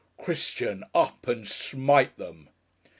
Christian, up and smai it them....